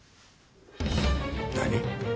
何？